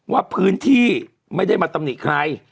ว่าพื้นที่ไม่ได้มาตำหนิใคร